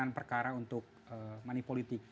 dan perkenalan perkaran untuk money politik